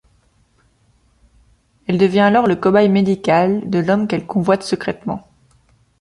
Elle devient alors le cobaye médical de l'homme qu'elle convoite secrètement.